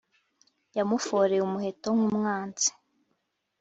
Yamuforeye umuheto nk’umwanzi,